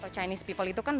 chinese people itu kan